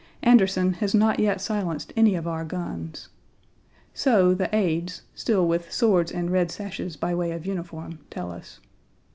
Anderson has not yet silenced any of our guns. So the aides, still with swords and red sashes by way of uniform, tell us.